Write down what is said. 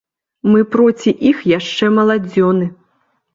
Мы проці іх яшчэ маладзёны.